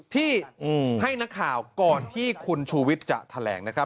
ที่ให้นักข่าวก่อนที่คุณชูวิทย์จะแถลงนะครับ